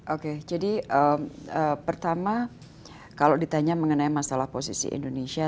oke jadi pertama kalau ditanya mengenai masalah posisi indonesia